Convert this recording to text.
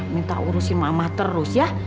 minta urusin mama terus ya